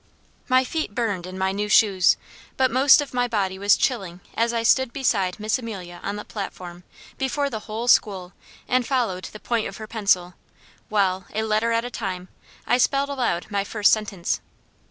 My feet burned in my new shoes, but most of my body was chilling as I stood beside Miss Amelia on the platform, before the whole school, and followed the point of her pencil, while, a letter at a time, I spelled aloud my first sentence.